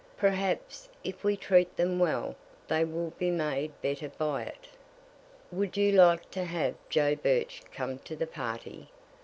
"Perhaps, if we treat them well, they will be made better by it." "Would you like to have Joe Birch come to the party?"